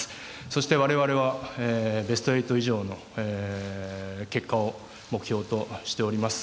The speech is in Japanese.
そして我々はベスト８以上の結果を目標としております。